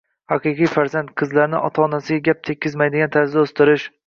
haqiqiy farzand, qizlarini ota-onasiga gap tekkizmaydigan tarzda o'stirish